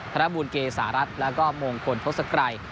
ธนบูลเกษารัฐแล้วก็มงคลทศกรัย